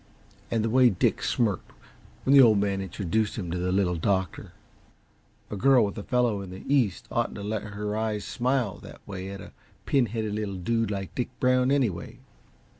And the way Dick smirked when the Old Man introduced him to the Little Doctor a girl with a fellow in the East oughtn't to let her eyes smile that way at a pin headed little dude like Dick Brown, anyway.